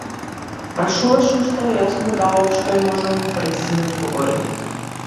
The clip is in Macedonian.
Прашуваше уште, а јас му давав што е можно попрецизни одговори.